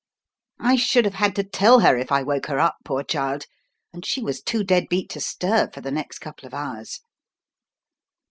"I should have had to tell her if I woke her up, poor child, and she was too dead beat to stir for the next couple of hours."